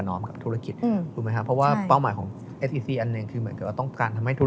นี่คือแบบชัดเจนมากเลยนะว่า